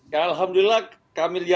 ya alhamdulillah kami rakyatnya